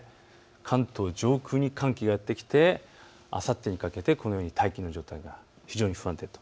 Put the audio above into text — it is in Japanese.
関東上空に寒気がやって来てあさってにかけて、このように大気の状態が非常に不安定と。